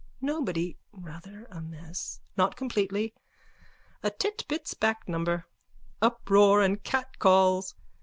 Nobody. Rather a mess. Not completely. A_ Titbits back number.) _(Uproar and catcalls.